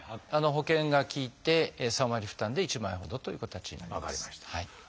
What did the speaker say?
保険が利いて３割負担で１万円ほどという形になります。